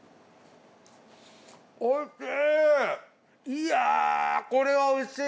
いやぁこれは美味しい！